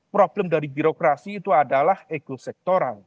problem dari birokrasi itu adalah ekosektoral